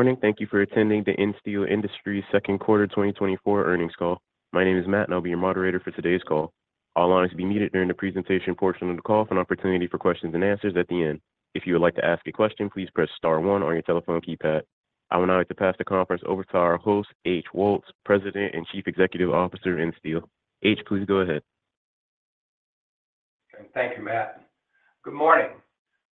Morning. Thank you for attending the Insteel Industries second quarter 2024 earnings call. My name is Matt, and I'll be your moderator for today's call. All lines will be muted during the presentation portion of the call, with an opportunity for questions and answers at the end. If you would like to ask a question, please press star one on your telephone keypad. I will now have to pass the conference over to our host, H. Woltz, President and Chief Executive Officer of Insteel. H., please go ahead. Thank you, Matt. Good morning.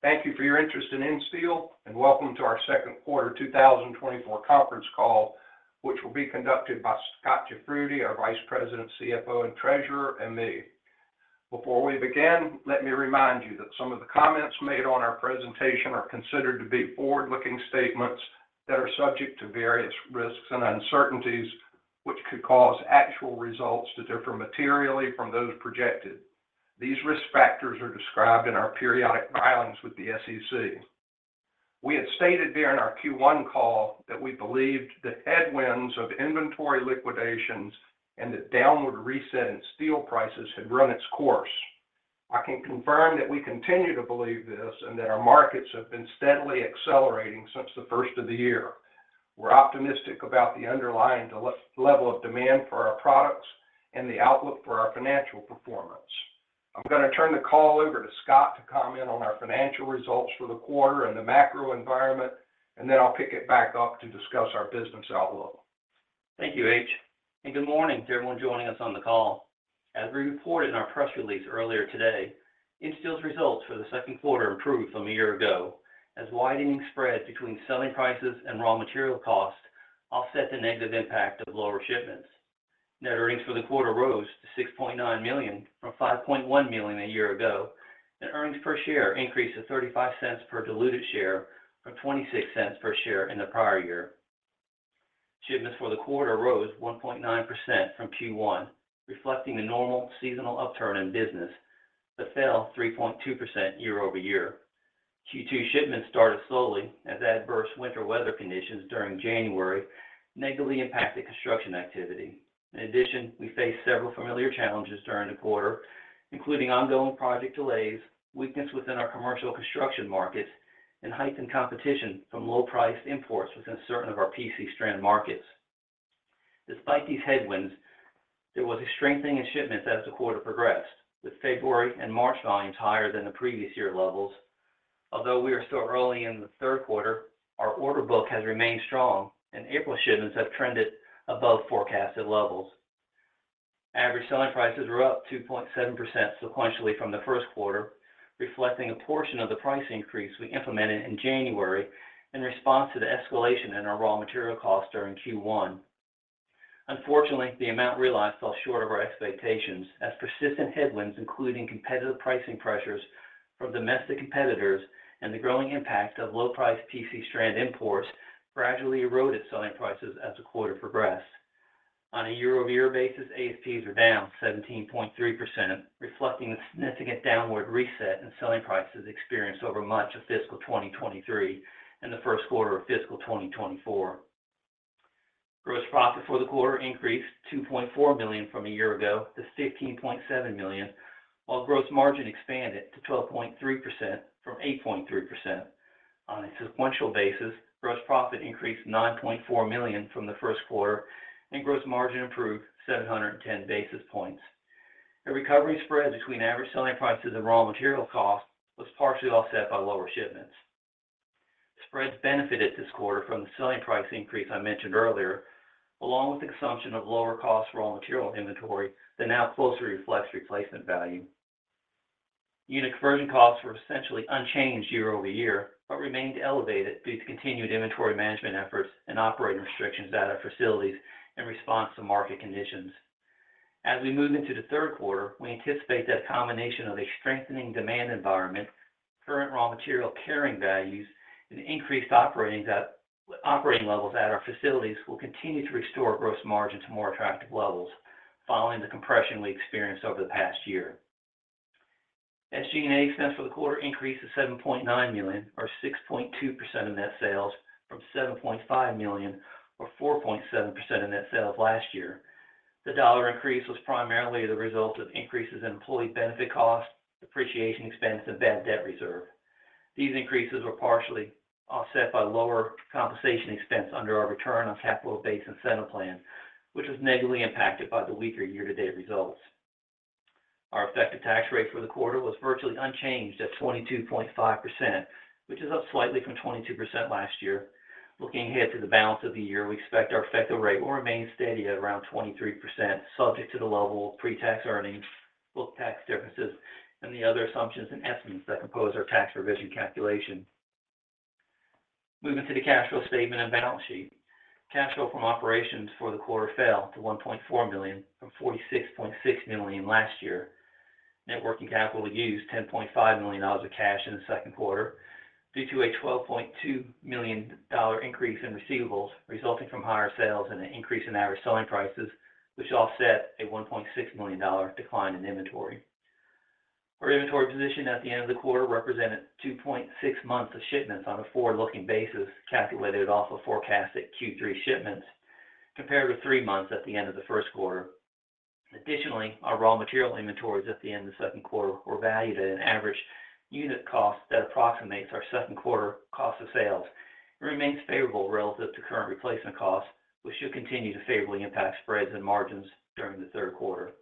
Thank you for your interest in Insteel, and welcome to our second quarter 2024 conference call, which will be conducted by Scot Jafroodi, our Vice President, CFO and Treasurer, and me. Before we begin, let me remind you that some of the comments made on our presentation are considered to be forward-looking statements that are subject to various risks and uncertainties, which could cause actual results to differ materially from those projected. These risk factors are described in our periodic filings with the SEC. We had stated during our Q1 call that we believed the headwinds of inventory liquidations and the downward reset in steel prices had run its course. I can confirm that we continue to believe this and that our markets have been steadily accelerating since the first of the year. We're optimistic about the underlying level of demand for our products and the outlook for our financial performance. I'm going to turn the call over to Scot to comment on our financial results for the quarter and the macro environment, and then I'll pick it back up to discuss our business outlook. Thank you, H. And good morning, to everyone joining us on the call. As we reported in our press release earlier today, Insteel's results for the second quarter improved from a year ago, as widening spreads between selling prices and raw material costs offset the negative impact of lower shipments. Net earnings for the quarter rose to $6.9 million from $5.1 million a year ago, and earnings per share increased to $0.35 per diluted share from $0.26 per share in the prior year. Shipments for the quarter rose 1.9% from Q1, reflecting the normal seasonal upturn in business, but fell 3.2% year-over-year. Q2 shipments started slowly as adverse winter weather conditions during January negatively impacted construction activity. In addition, we faced several familiar challenges during the quarter, including ongoing project delays, weakness within our commercial construction markets, and heightened competition from low-priced imports within certain of our PC strand markets. Despite these headwinds, there was a strengthening in shipments as the quarter progressed, with February and March volumes higher than the previous year levels. Although we are still early in the third quarter, our order book has remained strong, and April shipments have trended above forecasted levels. Average selling prices were up 2.7% sequentially from the first quarter, reflecting a portion of the price increase we implemented in January in response to the escalation in our raw material costs during Q1. Unfortunately, the amount realized fell short of our expectations, as persistent headwinds, including competitive pricing pressures from domestic competitors and the growing impact of low-priced PC strand imports, gradually eroded selling prices as the quarter progressed. On a year-over-year basis, ASPs were down 17.3%, reflecting a significant downward reset in selling prices experienced over much of fiscal 2023 and the first quarter of fiscal 2024. Gross profit for the quarter increased $2.4 million from a year ago to $15.7 million, while gross margin expanded to 12.3% from 8.3%. On a sequential basis, gross profit increased $9.4 million from the first quarter, and gross margin improved 710 basis points. A recovering spread between average selling prices and raw material costs was partially offset by lower shipments. Spreads benefited this quarter from the selling price increase I mentioned earlier, along with the consumption of lower-cost raw material inventory that now closely reflects replacement value. Unit conversion costs were essentially unchanged year-over-year but remained elevated due to continued inventory management efforts and operating restrictions at our facilities in response to market conditions. As we move into the third quarter, we anticipate that a combination of a strengthening demand environment, current raw material carrying values, and increased operating levels at our facilities will continue to restore gross margin to more attractive levels following the compression we experienced over the past year. SG&A expense for the quarter increased to $7.9 million, or 6.2% of net sales, from $7.5 million, or 4.7% of net sales last year. The dollar increase was primarily the result of increases in employee benefit costs, depreciation expense, and bad debt reserve. These increases were partially offset by lower compensation expense under our return on capital-based incentive plan, which was negatively impacted by the weaker year-to-date results. Our effective tax rate for the quarter was virtually unchanged at 22.5%, which is up slightly from 22% last year. Looking ahead to the balance of the year, we expect our effective rate will remain steady at around 23%, subject to the level of pre-tax earnings, book tax differences, and the other assumptions and estimates that compose our tax provision calculation. Moving to the cash flow statement and balance sheet, cash flow from operations for the quarter fell to $1.4 million from $46.6 million last year. Net working capital used $10.5 million of cash in the second quarter due to a $12.2 million increase in receivables resulting from higher sales and an increase in average selling prices, which offset a $1.6 million decline in inventory. Our inventory position at the end of the quarter represented 2.6 months of shipments on a forward-looking basis calculated off of forecasted Q3 shipments compared with three months at the end of the first quarter. Additionally, our raw material inventories at the end of the second quarter were valued at an average unit cost that approximates our second quarter cost of sales and remains favorable relative to current replacement costs, which should continue to favorably impact spreads and margins during the third quarter.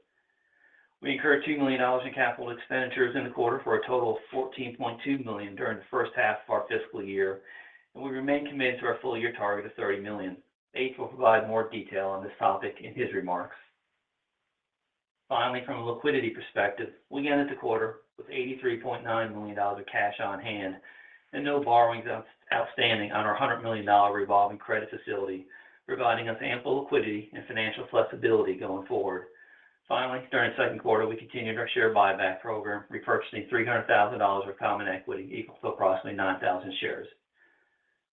We incurred $2 million in capital expenditures in the quarter for a total of $14.2 million during the first half of our fiscal year, and we remain committed to our full-year target of $30 million. H. will provide more detail on this topic in his remarks. Finally, from a liquidity perspective, we ended the quarter with $83.9 million of cash on hand and no borrowings outstanding on our $100 million revolving credit facility, providing us ample liquidity and financial flexibility going forward. Finally, during the second quarter, we continued our share buyback program, repurchasing $300,000 of common equity equal to approximately 9,000 shares.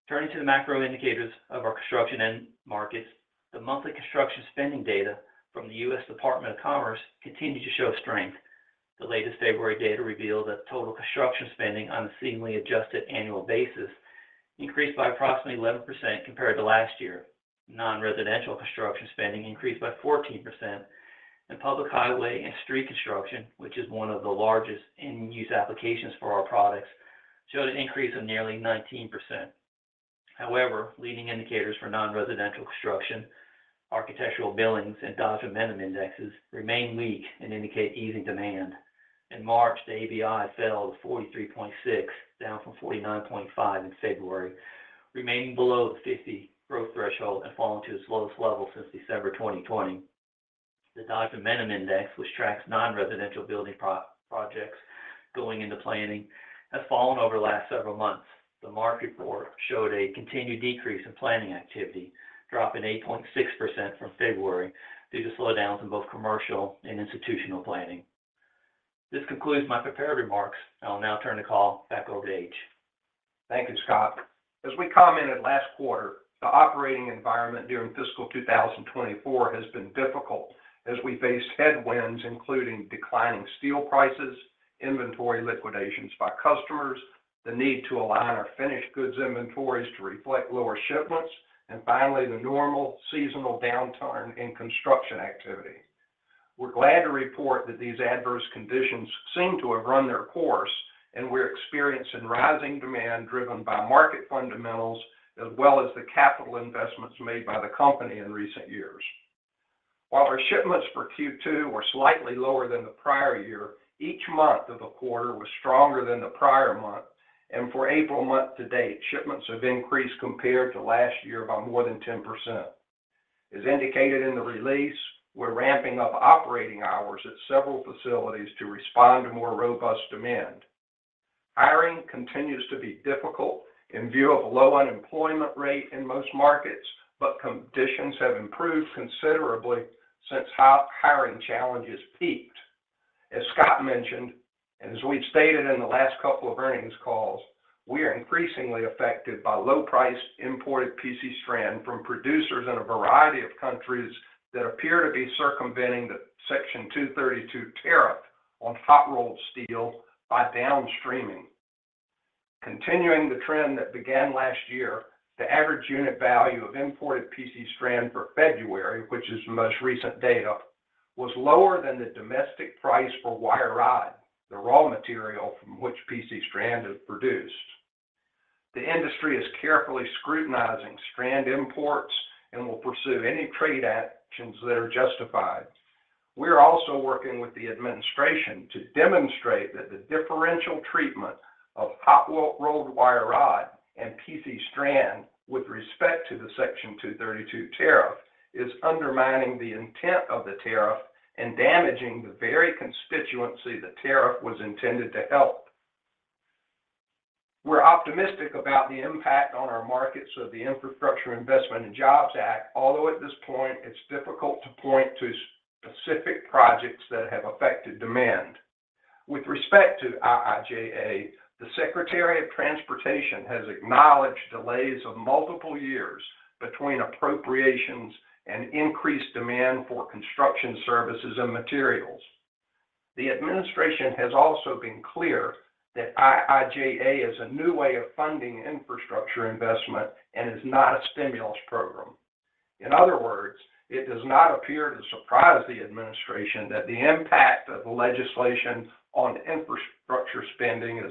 Turning to the macro indicators of our construction markets, the monthly construction spending data from the U.S. Department of Commerce continued to show strength. The latest February data revealed that total construction spending on a seasonally adjusted annual basis increased by approximately 11% compared to last year. Non-residential construction spending increased by 14%, and public highway and street construction, which is one of the largest end-use applications for our products, showed an increase of nearly 19%. However, leading indicators for non-residential construction, architectural billings, and Dodge Momentum Index remain weak and indicate easing demand. In March, the ABI fell to 43.6, down from 49.5 in February, remaining below the 50 growth threshold and falling to its lowest level since December 2020. The Dodge Momentum Index, which tracks non-residential building projects going into planning, has fallen over the last several months. The March report showed a continued decrease in planning activity, dropping 8.6% from February due to slowdowns in both commercial and institutional planning. This concludes my prepared remarks. I will now turn the call back over to H. Thank you, Scot. As we commented last quarter, the operating environment during fiscal 2024 has been difficult as we faced headwinds, including declining steel prices, inventory liquidations by customers, the need to align our finished goods inventories to reflect lower shipments, and finally, the normal seasonal downturn in construction activity. We're glad to report that these adverse conditions seem to have run their course, and we're experiencing rising demand driven by market fundamentals as well as the capital investments made by the company in recent years. While our shipments for Q2 were slightly lower than the prior year, each month of the quarter was stronger than the prior month, and for April month to date, shipments have increased compared to last year by more than 10%. As indicated in the release, we're ramping up operating hours at several facilities to respond to more robust demand. Hiring continues to be difficult in view of a low unemployment rate in most markets, but conditions have improved considerably since hiring challenges peaked. As Scot mentioned, and as we've stated in the last couple of earnings calls, we are increasingly affected by low-priced imported PC strand from producers in a variety of countries that appear to be circumventing the Section 232 tariff on hot-rolled steel by downstreaming. Continuing the trend that began last year, the average unit value of imported PC strand for February, which is the most recent data, was lower than the domestic price for wire rod, the raw material from which PC strand is produced. The industry is carefully scrutinizing strand imports and will pursue any trade actions that are justified. We are also working with the administration to demonstrate that the differential treatment of hot-rolled wire rod, and PC strand, with respect to the Section 232 tariff is undermining the intent of the tariff and damaging the very constituency the tariff was intended to help. We're optimistic about the impact on our markets of the Infrastructure Investment and Jobs Act, although at this point, it's difficult to point to specific projects that have affected demand. With respect to IIJA, the Secretary of Transportation has acknowledged delays of multiple years between appropriations and increased demand for construction services and materials. The administration has also been clear that IIJA is a new way of funding infrastructure investment and is not a stimulus program. In other words, it does not appear to surprise the administration that the impact of legislation on infrastructure spending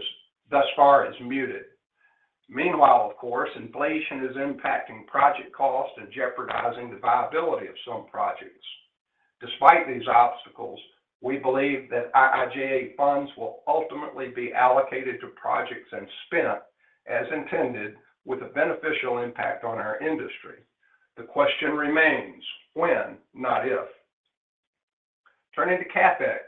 thus far is muted. Meanwhile, of course, inflation is impacting project costs and jeopardizing the viability of some projects. Despite these obstacles, we believe that IIJA funds will ultimately be allocated to projects and spent as intended, with a beneficial impact on our industry. The question remains when, not if. Turning to CapEx,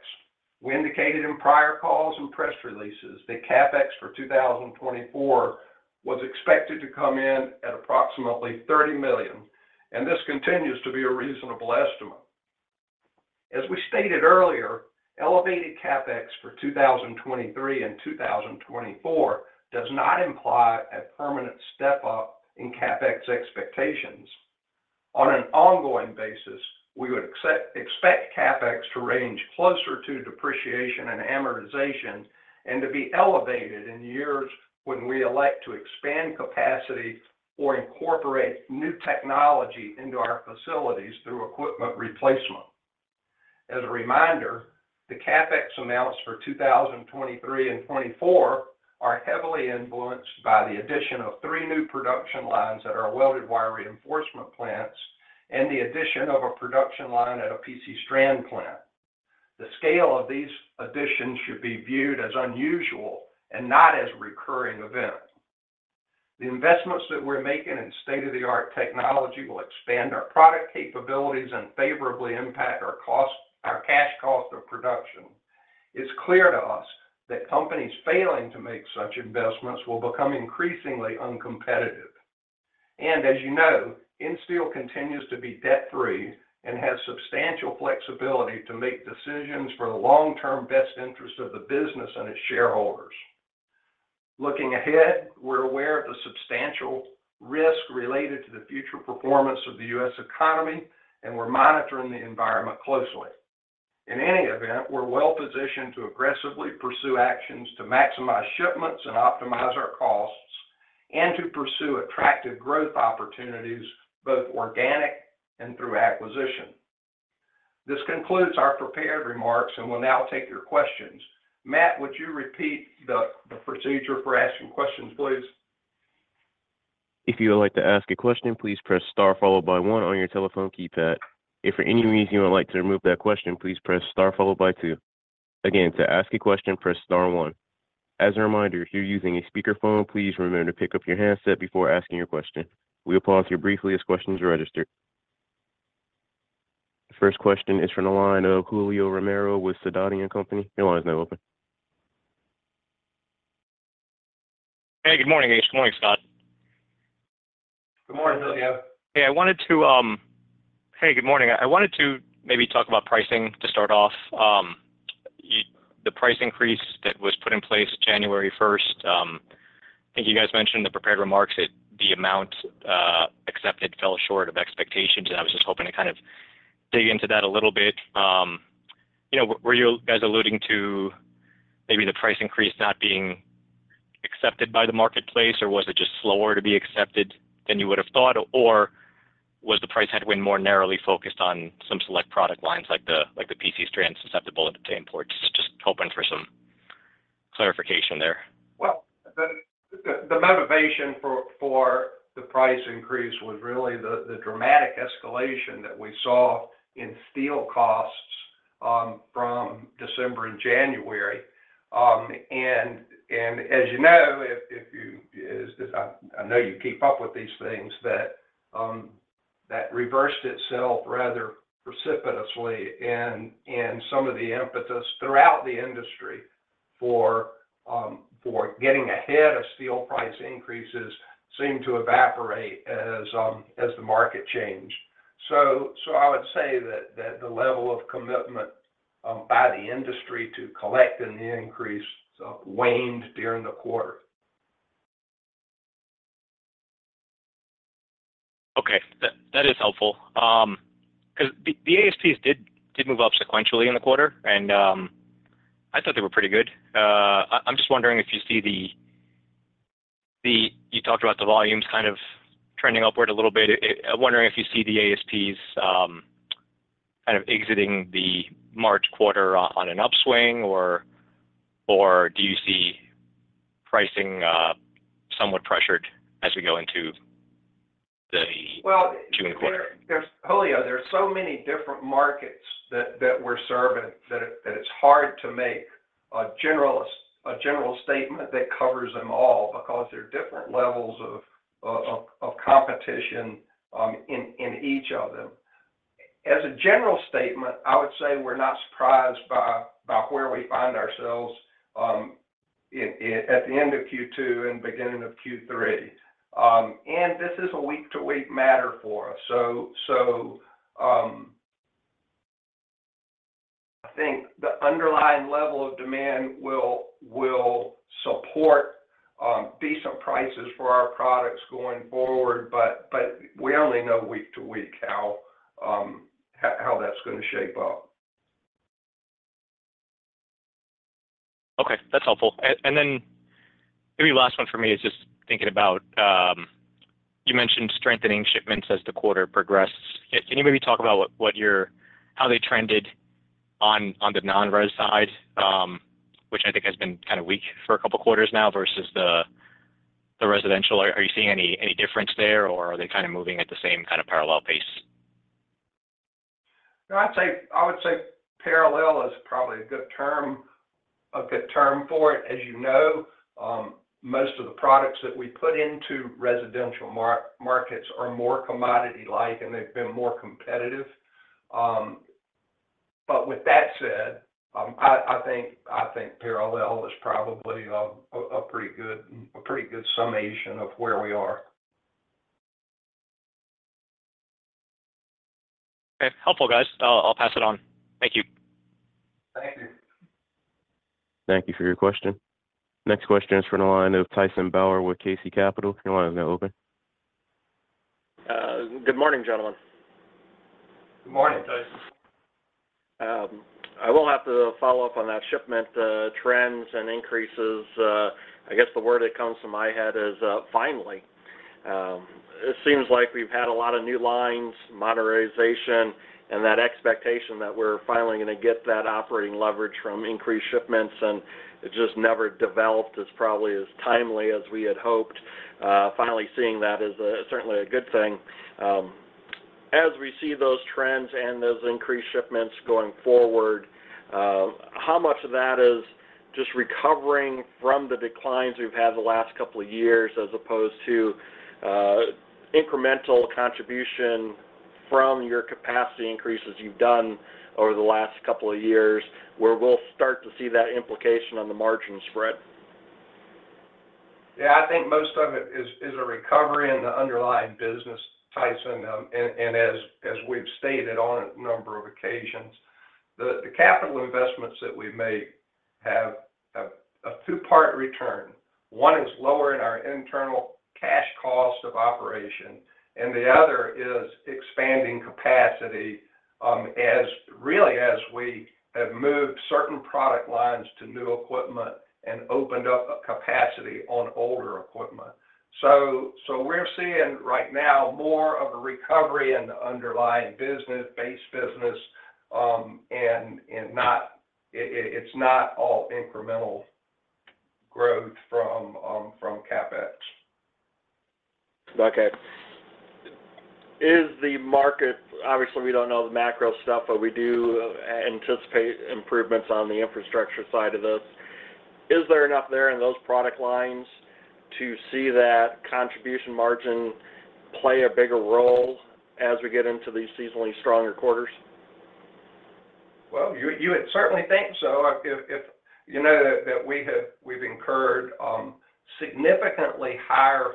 we indicated in prior calls and press releases that CapEx for 2024 was expected to come in at approximately $30 million, and this continues to be a reasonable estimate. As we stated earlier, elevated CapEx for 2023 and 2024 does not imply a permanent step-up in CapEx expectations. On an ongoing basis, we would expect CapEx to range closer to depreciation and amortization and to be elevated in years when we elect to expand capacity or incorporate new technology into our facilities through equipment replacement. As a reminder, the CapEx amounts for 2023 and 2024 are heavily influenced by the addition of 3 new production lines at our welded wire reinforcement plants and the addition of a production line at a PC strand plant. The scale of these additions should be viewed as unusual and not as a recurring event. The investments that we're making in state-of-the-art technology will expand our product capabilities and favorably impact our cash cost of production. It's clear to us that companies failing to make such investments will become increasingly uncompetitive. And as you know, Insteel continues to be debt-free and has substantial flexibility to make decisions for the long-term best interest of the business and its shareholders. Looking ahead, we're aware of the substantial risk related to the future performance of the U.S. economy, and we're monitoring the environment closely. In any event, we're well-positioned to aggressively pursue actions to maximize shipments and optimize our costs, and to pursue attractive growth opportunities, both organic and through acquisition. This concludes our prepared remarks, and we'll now take your questions. Matt, would you repeat the procedure for asking questions, please? If you would like to ask a question, please press star followed by one on your telephone keypad. If for any reason you would like to remove that question, please press star followed by two. Again, to ask a question, press star one. As a reminder, if you're using a speakerphone, please remember to pick up your handset before asking your question. We'll pause here briefly as questions are registered. The first question is from the line of Julio Romero with Sidoti & Company. Your line is now open. Hey, good morning. Good morning, Scot. Good morning, Julio. Hey, I wanted to—good morning. I wanted to maybe talk about pricing to start off. The price increase that was put in place January 1st—I think you guys mentioned in the prepared remarks that the amount accepted fell short of expectations, and I was just hoping to kind of dig into that a little bit. Were you guys alluding to maybe the price increase not being accepted by the marketplace, or was it just slower to be accepted than you would have thought, or was the price headwind more narrowly focused on some select product lines like the PC strand susceptible to imports? Just hoping for some clarification there. Well, the motivation for the price increase was really the dramatic escalation that we saw in steel costs from December and January. And as you know, I know you keep up with these things, that reversed itself rather precipitously, and some of the impetus throughout the industry for getting ahead of steel price increases seemed to evaporate as the market changed. So I would say that the level of commitment by the industry to collecting the increase waned during the quarter. Okay. That is helpful. Because the ASPs did move up sequentially in the quarter, and I thought they were pretty good. I'm just wondering if you see that you talked about the volumes kind of trending upward a little bit. I'm wondering if you see the ASPs kind of exiting the March quarter on an upswing, or do you see pricing somewhat pressured as we go into the June quarter? Well, Julio, there's so many different markets that we're serving that it's hard to make a general statement that covers them all because there are different levels of competition in each of them. As a general statement, I would say we're not surprised by where we find ourselves at the end of Q2 and beginning of Q3. This is a week-to-week matter for us. I think the underlying level of demand will support decent prices for our products going forward, but we only know week-to-week how that's going to shape up. Okay. That's helpful. And then maybe last one for me is just thinking about you mentioned strengthening shipments as the quarter progressed. Can you maybe talk about how they trended on the non-res side, which I think has been kind of weak for a couple of quarters now versus the residential? Are you seeing any difference there, or are they kind of moving at the same kind of parallel pace? I would say parallel is probably a good term for it. As you know, most of the products that we put into residential markets are more commodity-like, and they've been more competitive. But with that said, I think parallel is probably a pretty good summation of where we are. Okay. Helpful, guys. I'll pass it on. Thank you. Thank you. Thank you for your question. Next question is from the line of Tyson Bauer with KC Capital. Your line is now open. Good morning, gentlemen. Good morning, Tyson. I will have to follow up on that shipment trends and increases. I guess the word that comes to my head is finally. It seems like we've had a lot of new lines, modernization, and that expectation that we're finally going to get that operating leverage from increased shipments, and it just never developed as probably as timely as we had hoped. Finally seeing that is certainly a good thing. As we see those trends and those increased shipments going forward, how much of that is just recovering from the declines we've had the last couple of years as opposed to incremental contribution from your capacity increases you've done over the last couple of years, where we'll start to see that implication on the margin spread? Yeah, I think most of it is a recovery in the underlying business, Tyson, and as we've stated on a number of occasions, the capital investments that we make have a two-part return. One is lower in our internal cash cost of operation, and the other is expanding capacity, really as we have moved certain product lines to new equipment and opened up capacity on older equipment. So we're seeing right now more of a recovery in the underlying business, base business, and it's not all incremental growth from CapEx. Okay. Obviously, we don't know the macro stuff, but we do anticipate improvements on the infrastructure side of this. Is there enough there in those product lines to see that contribution margin play a bigger role as we get into these seasonally stronger quarters? Well, you would certainly think so. You know that we've incurred significantly higher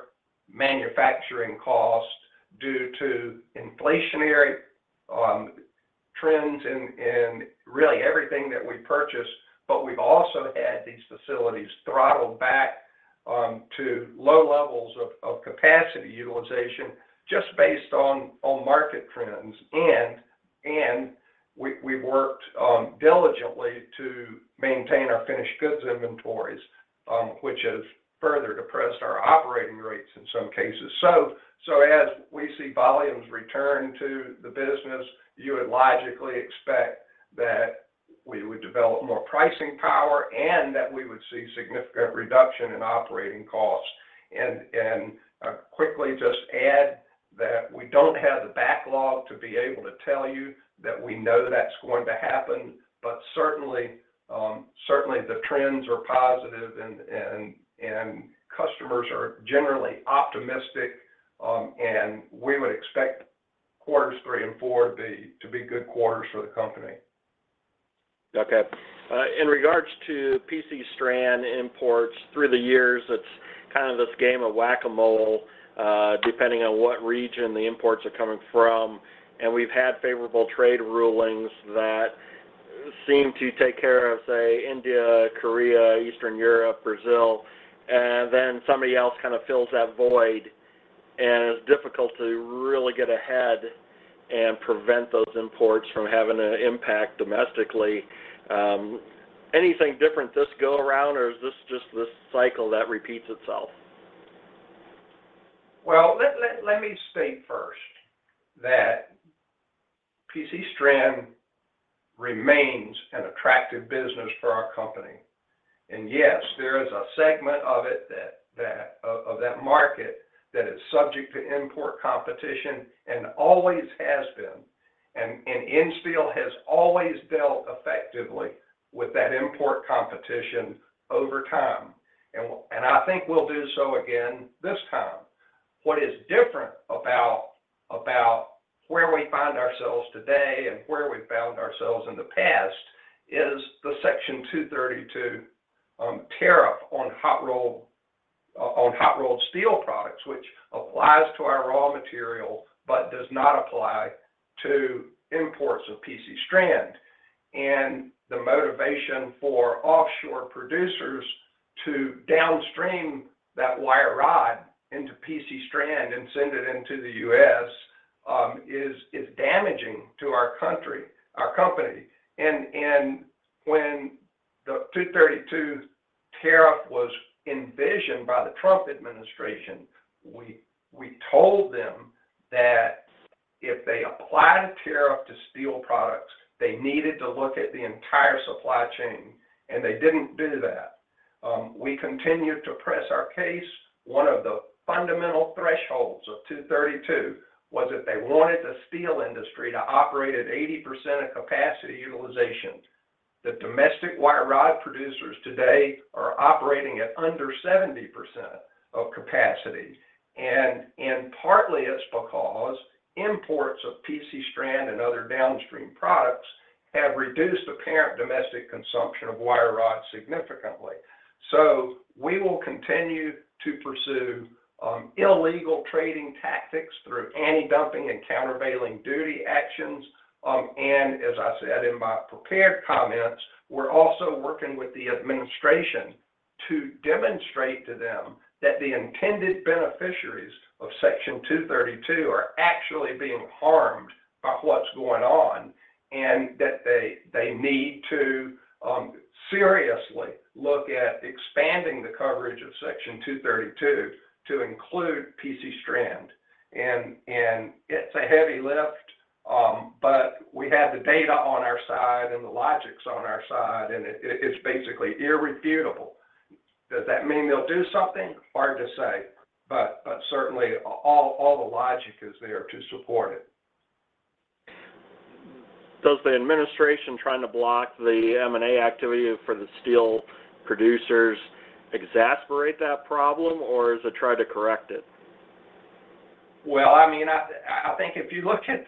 manufacturing costs due to inflationary trends in really everything that we purchase, but we've also had these facilities throttled back to low levels of capacity utilization just based on market trends, and we've worked diligently to maintain our finished goods inventories, which has further depressed our operating rates in some cases. So as we see volumes return to the business, you would logically expect that we would develop more pricing power and that we would see significant reduction in operating costs. And quickly just add that we don't have the backlog to be able to tell you that we know that's going to happen, but certainly the trends are positive and customers are generally optimistic, and we would expect quarters three and four to be good quarters for the company. Okay. In regards to PC strand imports, through the years, it's kind of this game of whack-a-mole depending on what region the imports are coming from, and we've had favorable trade rulings that seem to take care of, say, India, Korea, Eastern Europe, Brazil, and then somebody else kind of fills that void, and it's difficult to really get ahead and prevent those imports from having an impact domestically. Anything different this go around, or is this just this cycle that repeats itself? Well, let me state first that PC strand remains an attractive business for our company. Yes, there is a segment of that market that is subject to import competition and always has been, and Insteel has always dealt effectively with that import competition over time, and I think we'll do so again this time. What is different about where we find ourselves today and where we found ourselves in the past is the Section 232 tariff on hot-rolled steel products, which applies to our raw material but does not apply to imports of PC strand. The motivation for offshore producers to downstream that wire rod into PC strand and send it into the U.S. is damaging to our company. When the 232 tariff was envisioned by the Trump administration, we told them that if they applied a tariff to steel products, they needed to look at the entire supply chain, and they didn't do that. We continued to press our case. One of the fundamental thresholds of Section 232 was that they wanted the steel industry to operate at 80% of capacity utilization. The domestic wire rod producers today are operating at under 70% of capacity, and partly it's because imports of PC strand and other downstream products have reduced apparent domestic consumption of wire rod significantly. So we will continue to pursue illegal trading tactics through anti-dumping and countervailing duty actions, and as I said in my prepared comments, we're also working with the administration to demonstrate to them that the intended beneficiaries of Section 232 are actually being harmed by what's going on and that they need to seriously look at expanding the coverage of Section 232 to include PC strand. And it's a heavy lift, but we have the data on our side and the logics on our side, and it's basically irrefutable. Does that mean they'll do something? Hard to say, but certainly all the logic is there to support it. Does the administration trying to block the M&A activity for the steel producers exasperate that problem, or is it trying to correct it? Well, I mean, I think if you look at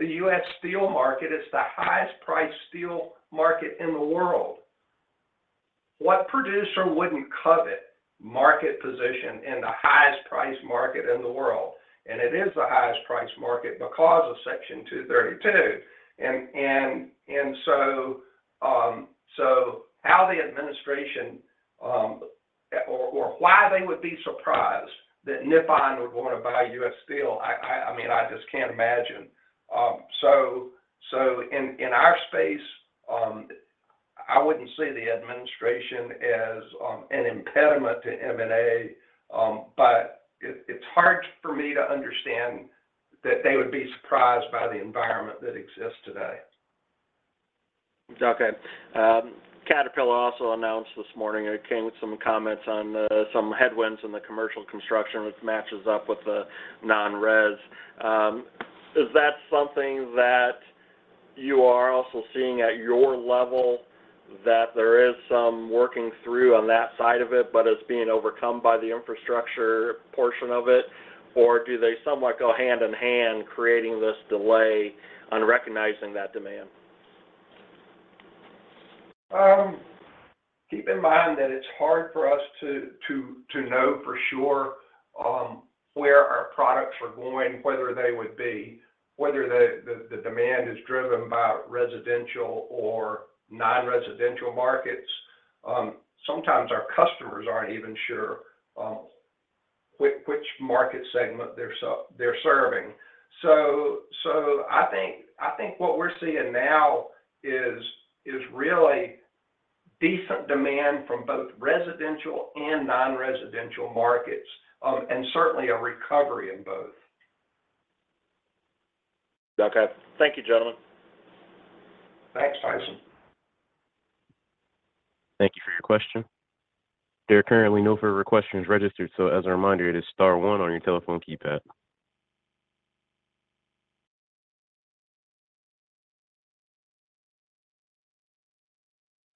the U.S. steel market, it's the highest-priced steel market in the world. What producer wouldn't covet market position in the highest-priced market in the world? And it is the highest-priced market because of Section 232. And so how the administration or why they would be surprised that Nippon would want to buy U.S. Steel? I mean, I just can't imagine. So in our space, I wouldn't see the administration as an impediment to M&A, but it's hard for me to understand that they would be surprised by the environment that exists today. Okay. Caterpillar also announced this morning it came with some comments on some headwinds in the commercial construction, which matches up with the non-res. Is that something that you are also seeing at your level, that there is some working through on that side of it but it's being overcome by the infrastructure portion of it, or do they somewhat go hand in hand creating this delay on recognizing that demand? Keep in mind that it's hard for us to know for sure where our products are going, whether the demand is driven by residential or non-residential markets. Sometimes our customers aren't even sure which market segment they're serving. So I think what we're seeing now is really decent demand from both residential and non-residential markets and certainly a recovery in both. Okay. Thank you, gentlemen. Thanks, Tyson. Thank you for your question. There are currently no further questions registered, so as a reminder, it is star one on your telephone keypad.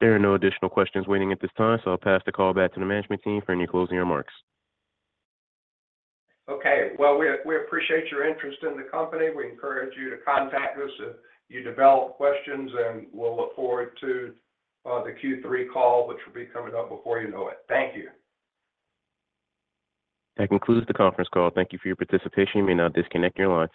There are no additional questions waiting at this time, so I'll pass the call back to the management team for any closing remarks. Okay. Well, we appreciate your interest in the company. We encourage you to contact us if you develop questions, and we'll look forward to the Q3 call, which will be coming up before you know it. Thank you. That concludes the conference call. Thank you for your participation. You may now disconnect your line.